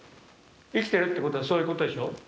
生きてるってことはそういうことでしょ。